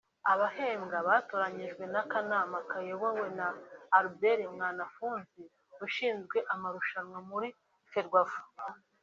Abahembwa batoranyijwe n’akanama kayobowe na Albert Mwanafunzi ushinzwe amarushanwa muri Ferwafa